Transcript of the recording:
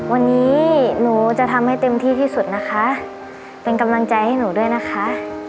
วันนี้หนูจะทำให้เต็มที่ที่สุดนะคะเป็นกำลังใจให้หนูด้วยนะคะ